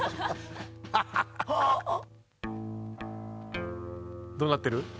「あっ」どうなってる？